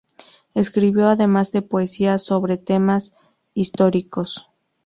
Escribió además de poesía, sobre temas históricos.